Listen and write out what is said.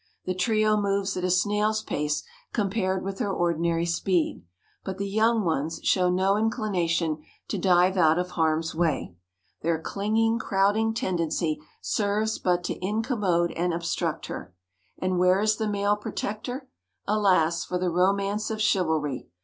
The trio moves at a snail's pace compared with her ordinary speed, but the young ones show no inclination to dive out of harm's way. Their clinging, crowding tendency serves but to incommode and obstruct her. And where is the male protector? Alas for the romance of chivalry!